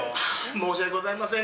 申し訳ございません